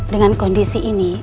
dengan kondisi ini